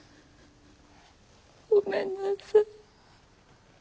ごめんなさい。